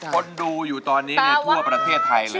คนดูอยู่ตอนนี้ทั่วประเทศไทยเลย